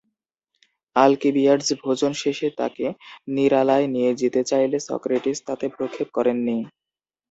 Alcibiades ভোজন শেষে তাকে নিরালায় নিয়ে যেতে চাইলে সক্রেটিস তাতে ভ্রুক্ষেপ করেননি।